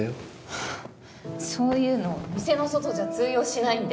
はぁそういうの店の外じゃ通用しないんで。